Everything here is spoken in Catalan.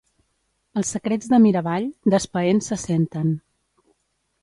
Els secrets de Miravall, d'Espaén se senten.